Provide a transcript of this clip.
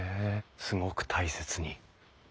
すごく大切に。